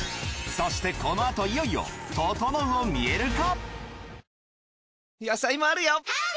そしてこのあといよいよととのうを見える化！